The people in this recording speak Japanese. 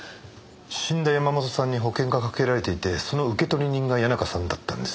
死んだ山本さんに保険がかけられていてその受取人が谷中さんだったんです。